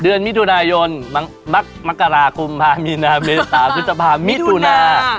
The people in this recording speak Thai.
เดือนบิทุนายนบักบพมีนาเบสสมพมิถุนา